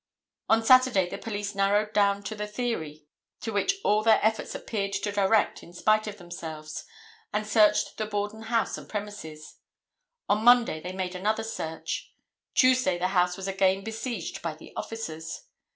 On Saturday the police narrowed down to the theory to which all their efforts appeared to direct in spite of themselves, and searched the Borden house and premises. On Monday they made another search. Tuesday the house was again besieged by the officers.